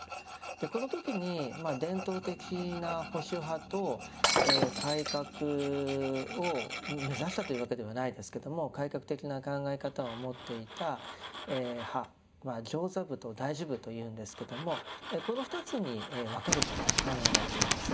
この時に伝統的な保守派と改革を目指したというわけではないですけど改革的な考え方を持っていた派上座部と大衆部というんですけどもこの２つに分かれたと考えられています。